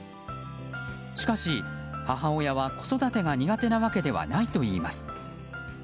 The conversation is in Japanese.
しかし、母親は子育てが苦手なわけではないといいます。